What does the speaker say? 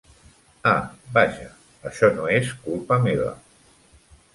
Ah, vaja, això no és culpa meva.